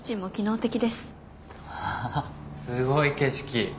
うわすごい景色。